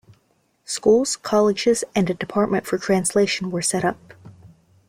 Schools, colleges and a Department for Translation were set up.